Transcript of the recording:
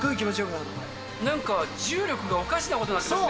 なんか重力がおかしなことになってますね。